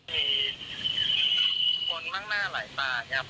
มีคนมั่งหน้าหลายตาเนี่ยครับ